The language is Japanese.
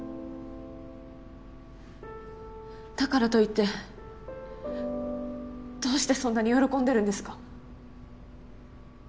だからと言ってどうしてそんなに喜んでるんですか？